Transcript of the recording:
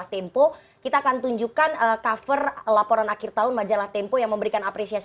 hidup rakyat indonesia